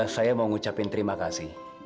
saya mau ngucapin terima kasih